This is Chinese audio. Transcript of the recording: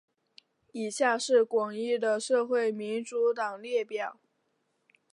以下是广义的社会民主党列表。